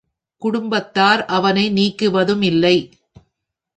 குடும்பத்தார் அவனை நீக்குவதும் இல்லை.